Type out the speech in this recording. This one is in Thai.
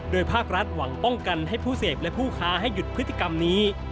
ภาครัฐหวังป้องกันให้ผู้เสพและผู้ค้าให้หยุดพฤติกรรมนี้